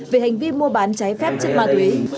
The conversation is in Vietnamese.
về hành vi mua bán trái phép chất ma túy